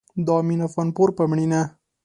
د امين افغانپور په مړينه